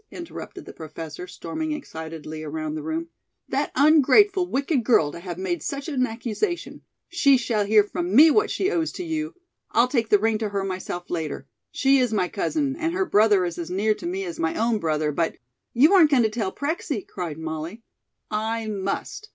interrupted the Professor, storming excitedly around the room, "that ungrateful, wicked girl to have made such an accusation she shall hear from me what she owes to you! I'll take the ring to her myself later. She is my cousin, and her brother is as near to me as my own brother, but " "You aren't going to tell Prexy?" cried Molly. "I must.